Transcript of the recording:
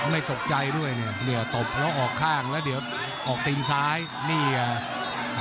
ไม่ตกใจด้วยเนี่ยตบแล้วออกข้างแล้วเดี๋ยวออกตีนซ้ายนี่ไง